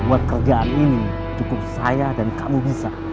buat kerjaan ini cukup saya dan kamu bisa